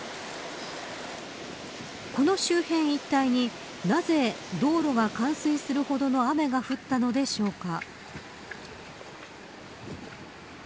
この周辺一帯になぜ道路が冠水するほどの雨が降ったのでしょうか。